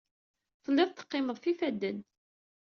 Tellid teqqimed ɣef yifadden.